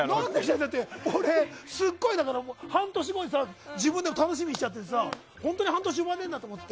だって、俺すごい半年後をさ自分で楽しみにしちゃってて本当に半年呼ばれないんだと思って。